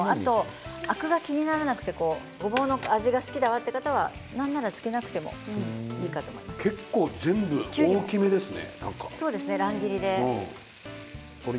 アクが気にならなくてごぼうの味が好きな方はなんならつけなくても結構、大きいですね。